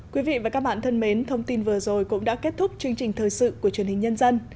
quý vị và các bạn thân mến thông tin vừa rồi cũng đã kết thúc chương trình thời sự của truyền hình nhân dân